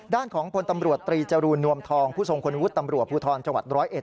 ด้านของพลตำรวจตรีจรูนนวมทองผู้ทรงคุณวุฒิตำรวจภูทรจังหวัด๑๐๑